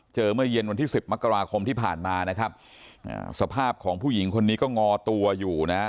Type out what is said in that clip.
เมื่อเย็นวันที่สิบมกราคมที่ผ่านมานะครับอ่าสภาพของผู้หญิงคนนี้ก็งอตัวอยู่นะฮะ